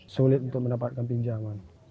sulit untuk mendapatkan pinjaman